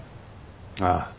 ああ。